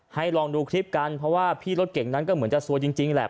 ลองดูคลิปกันเพราะว่าพี่รถเก่งนั้นก็เหมือนจะซวยจริงแหละ